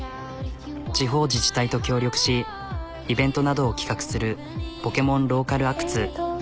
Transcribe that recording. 地方自治体と協力しイベントなどを企画するポケモンローカルＡｃｔｓ。